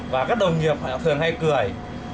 và các đồng nghiệp họ thường hay cười